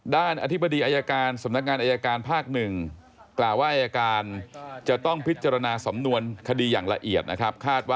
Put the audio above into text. ด้านอธิบดีอัยการสำนักงานอัยการภาค๑